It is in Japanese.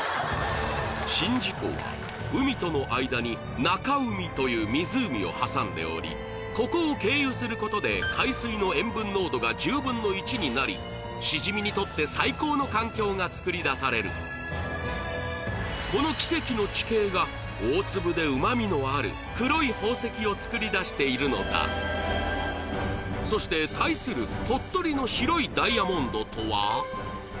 宍道湖は海との間に中海という湖を挟んでおりここを経由することで海水の塩分濃度が１０分の１になりが作り出されるこの奇跡の地形がを作り出しているのだそして対する鳥取の白いダイヤモンドとは？